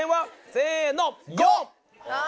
せの！